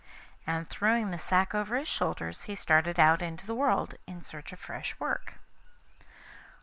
And throwing the sack over his shoulders he started out into the world, in search of fresh work.